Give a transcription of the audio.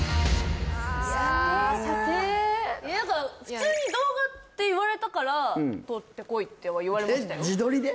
普通に動画って言われたから撮ってこいっては言われましたよえっ自撮りで？